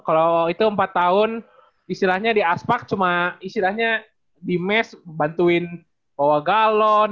kalau itu empat tahun istilahnya di aspak cuma istilahnya di mesh bantuin coba galo